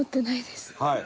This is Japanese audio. はい。